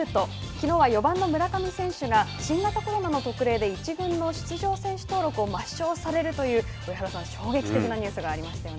きのうは４番の村上選手が新型コロナの特例で１軍の出場選手登録を抹消されるという上原さん、衝撃的なニュースがありましたね。